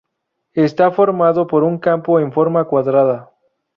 Está formado por un campo en forma cuadrada.